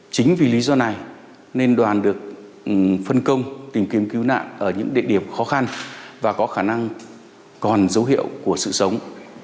chính vì lý do này nên đoàn được phân công tìm kiếm cứu nạn ở những địa điểm khó khăn và có khả năng còn dấu hiệu của sự sống